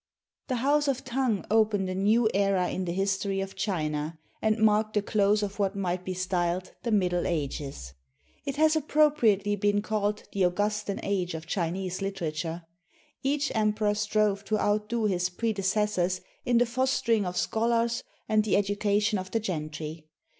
The house of Tang opened a new era in the history of China, and marked the close of what might be styled "the Middle Ages." It has appropriately been called the Augustan Age of Chinese literature. Each emperor strove to outdo his predecessors in the fostering of scholars and the education of the gentry.